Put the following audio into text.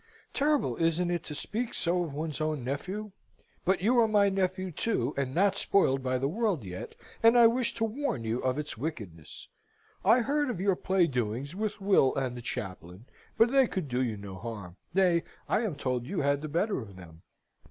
Terrible, isn't it, to speak so of one's own nephew? But you are my nephew, too, and not spoiled by the world yet, and I wish to warn you of its wickedness. I heard of your play doings with Will and the chaplain, but they could do you no harm, nay, I am told you had the better of them.